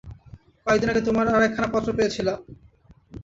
কয়েকদিন আগে তোমার আর একখানা পত্র পেয়েছিলাম।